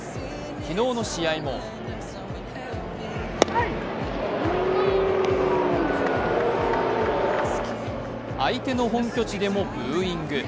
昨日の試合も相手の本拠地でもブーイング。